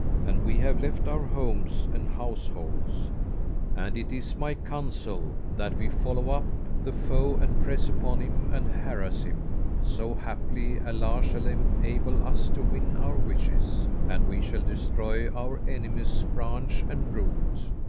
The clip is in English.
and we have left our homes and households; and it is my counsel that we follow up the foe and press upon him and harass him, so haply Allah shall enable us to win our wishes, and we shall destroy our enemies, branch and root.